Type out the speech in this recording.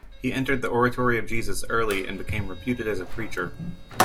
He entered the Oratory of Jesus early and became reputed as a preacher.